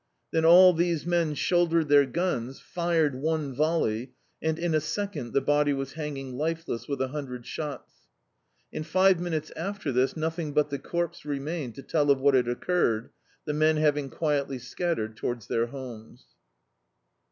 Then all these men shouldered their guns, fired one volley, and in a second the body was hanging lifeless with a hun dred shots. In five minutes after this, nothing but the corpse remained to tell of what had occurred, the men having quietly scattered towards their homes.